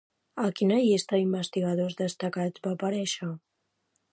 A quina llista d'investigadors destacats va aparèixer?